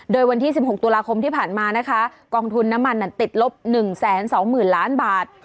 โดยวันที่๑๖ตุลาคมที่ผ่านมานะคะกองทุนน้ำมันติดลบ๑๒๐๐๐ล้านบาท